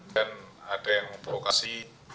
dan ada yang memprovokasi